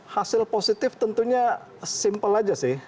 hasil positif tentunya simpel aja sih